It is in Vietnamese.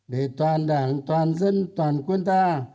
để toàn đảng toàn dân toàn quân ta